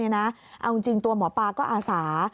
เอาจริงตัวหมอปลาก็อาสา